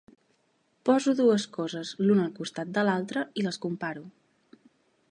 Poso dues coses l'una al costat de l'altra i les comparo.